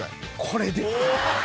これです。